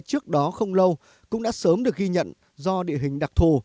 trước đó không lâu cũng đã sớm được ghi nhận do địa hình đặc thù